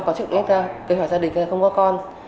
có chức nét ra kế hoạch gia đình không có con